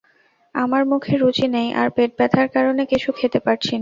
আমার মুখে রুচি নেই আর পেট ব্যথার কারণে কিছু খেতে পারছি না।